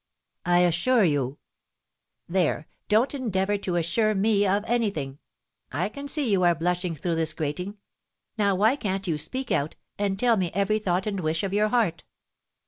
"I assure you " "There, don't endeavour to assure me of anything; I can see you are blushing through this grating. Now why can't you speak out, and tell me every thought and wish of your heart?